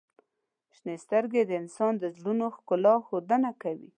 • شنې سترګې د انسان د زړونو ښکلا ښودنه کوي.